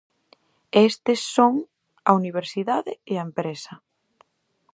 E estes son: a universidade e a empresa.